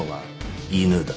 犬だ。